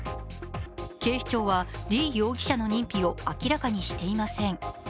警視庁は、李容疑者の認否を明らかにしていません。